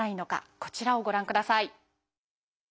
こちらをご覧ください。